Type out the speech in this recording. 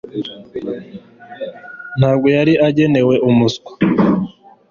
Ntabwo yari agenewe umuswa